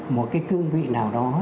một cái cương vị nào đó